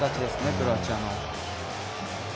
クロアチアの。